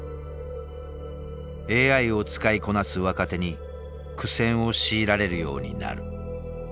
ＡＩを使いこなす若手に苦戦を強いられるようになる。